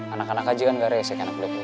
anak anak aja kan gak resek anak anak lo